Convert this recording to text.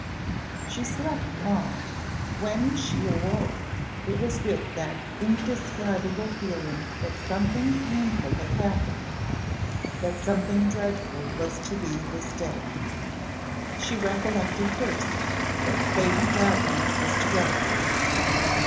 She slept long; when she awoke it was with that indescribable feeling that something painful had happened that something dreadful was to be this day. She recollected, first, that Lady Davenant was to go.